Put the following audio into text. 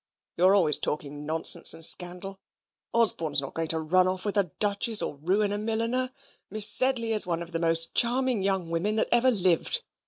You're always talking nonsense and scandal. Osborne is not going to run off with a Duchess or ruin a milliner. Miss Sedley is one of the most charming young women that ever lived.